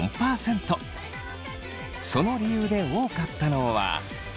その理由で多かったのは。